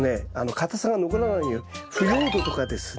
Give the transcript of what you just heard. かたさが残らないように腐葉土とかですね